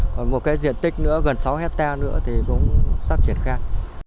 còn một cái diện tích nữa gần sáu hectare nữa thì cũng sắp triển khác